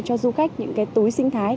cho du khách những túi sinh thái